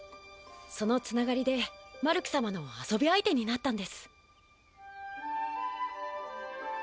そのつながりでマルク様の遊び相手になったんです。